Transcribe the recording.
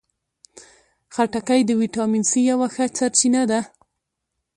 خټکی د ویټامین سي یوه ښه سرچینه ده.